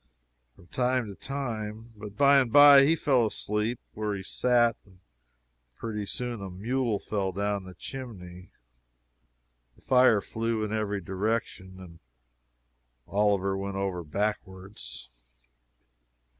from time to time. But by and by he fell asleep where he sat, and pretty soon a mule fell down the chimney! The fire flew in every direction, and Oliver went over backwards.